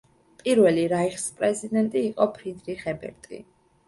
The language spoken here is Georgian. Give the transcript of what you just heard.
პირველი რაიხსპრეზიდენტი იყო ფრიდრიხ ებერტი.